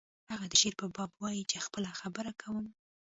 هغه د شعر په باب وایی چې خپله خبره کوم